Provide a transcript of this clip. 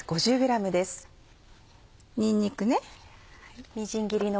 にんにくね。